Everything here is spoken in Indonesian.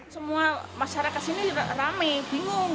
semua masyarakat sini rame bingung